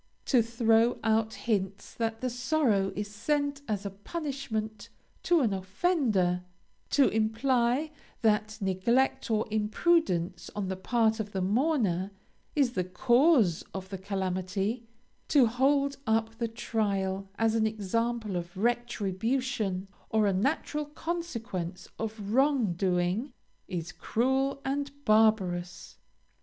To throw out hints that the sorrow is sent as a punishment to an offender; to imply that neglect or imprudence on the part of the mourner is the cause of the calamity; to hold up the trial as an example of retribution, or a natural consequence of wrong doing, is cruel, and barbarous.